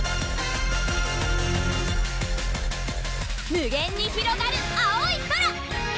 無限にひろがる青い空！